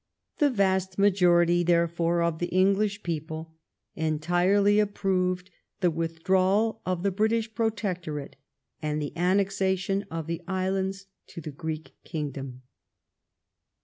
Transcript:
The vast majority, therefore, of the English people entirely approved the withdrawal of the British Protectorate, and the annexation of the islands to the Greek Kingdom.